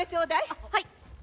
あっはい。